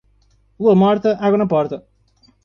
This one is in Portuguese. Lua morta, água na porta.